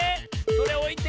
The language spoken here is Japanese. それおいて。